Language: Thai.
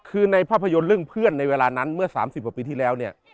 คือในภาพยนตร์เรื่องเพื่อนในเวลานั้นเมื่อ๓๐กว่าปีที่แล้วเนี่ย